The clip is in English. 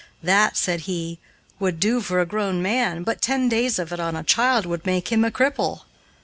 "That," said he, "would do for a grown man, but ten days of it on a child would make him a cripple."